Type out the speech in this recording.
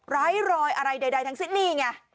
ไร้รอยอะไรใดทั้งสิ้นนี่ไง